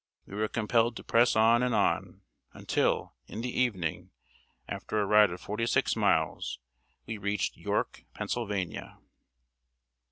We were compelled to press on and on, until, in the evening, after a ride of forty six miles, we reached York, Pennsylvania.